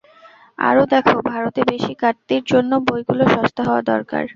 আরও দেখ, ভারতে বেশী কাটতির জন্য বইগুলি সস্তা হওয়া দরকার।